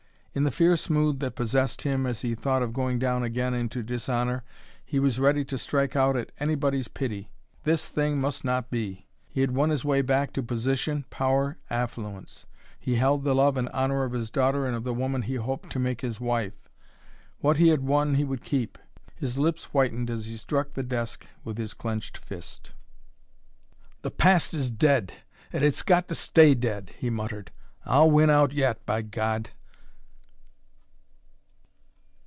In the fierce mood that possessed him as he thought of going down again into dishonor he was ready to strike out at anybody's pity. This thing must not be. He had won his way back to position, power, affluence; he held the love and honor of his daughter and of the woman he hoped to make his wife; what he had won he would keep. His lips whitened as he struck the desk with his clenched fist. "The past is dead, and it's got to stay dead," he muttered. "I'll win out yet, by God!"